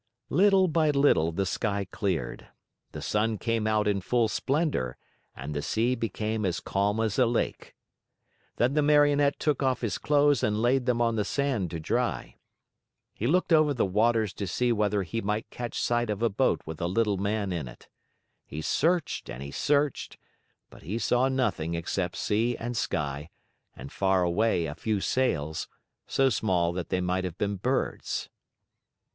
Little by little the sky cleared. The sun came out in full splendor and the sea became as calm as a lake. Then the Marionette took off his clothes and laid them on the sand to dry. He looked over the waters to see whether he might catch sight of a boat with a little man in it. He searched and he searched, but he saw nothing except sea and sky and far away a few sails, so small that they might have been birds.